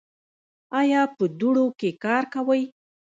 ایا په دوړو کې کار کوئ؟